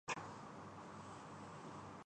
اگر نہ ہوں۔